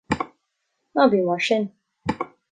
Ná bí mar sin.